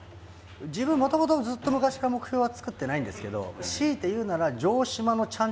自分もともとずっと昔から目標は作ってないんですけど強いて言うなら。